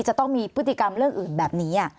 จะต้องมีพฤติกรรมเรื่องอื่นแบบนี้